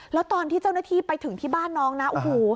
แล้วตอนที่เจ้าหน้าที่ไปถึงที่บ้านน้องนะโอ้โห